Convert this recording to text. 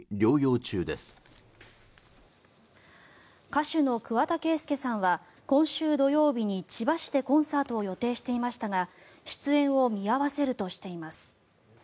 歌手の桑田佳祐さんは今週土曜日に千葉市でコンサートを予定していましたが出演を見合わせるとしています。